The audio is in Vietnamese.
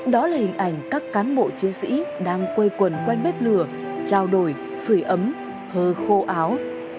đó là hình ảnh các cán bộ chiến sĩ đang quây quần quanh bếp lửa trao đổi sử ấm hơ khô áo